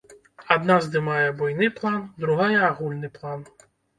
Адна здымае буйны план, другая агульны план.